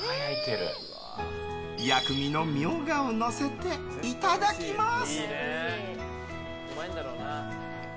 薬味のミョウガをのせていただきます。